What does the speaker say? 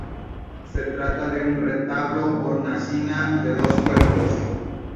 Se trata de un retablo hornacina de dos cuerpos.